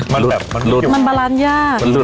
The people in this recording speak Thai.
มันบรารน์ญาติ